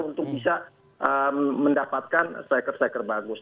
untuk bisa mendapatkan striker striker bagus